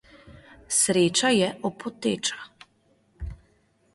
Sreča je opoteča.